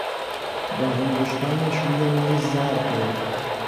با انگشتانش روی میز ضرب گرفت.